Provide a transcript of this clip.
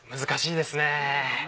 難しいですね。